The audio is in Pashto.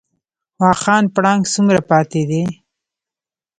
واخان پړانګ څومره پاتې دي؟